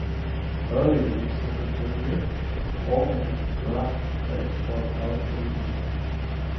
Early in his soccer career, Paul McGrath played for Dalkey United.